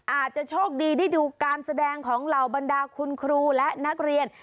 อาจจะโชคดีได้ดูการแสดงของเหล่าบรรดาคุณครูและนักเรียน